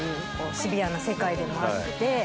シビアな世界でもあって。